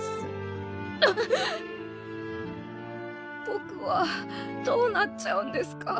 ぼくはどうなっちゃうんですか？